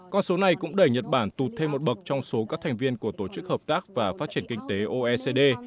con số này cũng đẩy nhật bản tụt thêm một bậc trong số các thành viên của tổ chức hợp tác và phát triển kinh tế oecd